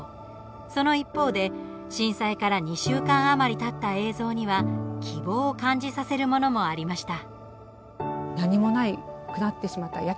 その一方で、震災から２週間余りたった映像には希望を感じさせるものもありました。